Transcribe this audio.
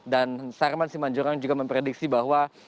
dan sermon simanjorang juga memprediksi bahwa